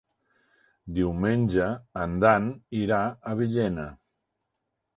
Diumenge en Dan irà a Villena.